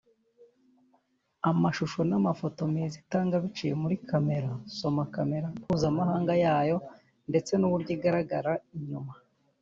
Amashusho n’amafoto meza itanga biciye muri Camera (soma kamera) mpuzamahanga yayo ndetse n’uburyo igaragara inyuma